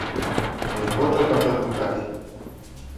Не хоча так адмыкаць.